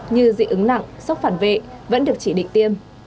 như dị ứng nặng sốc phản vệ vẫn được chỉ định tiêm